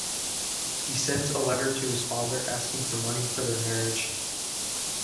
He sends a letter to his father asking for money for their marriage.